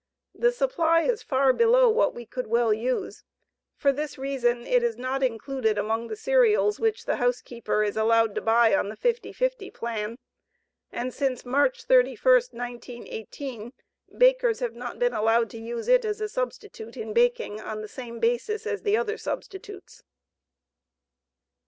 The supply is far below what we could well use. For this reason it is not included among the cereals which the housekeeper is allowed to buy on the 50 50 plan, and since March 31, 1918, bakers have not been allowed to use it as a substitute in baking on the same basis as the other substitutes.